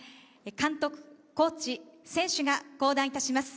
監督、コーチ、選手が降壇いたします。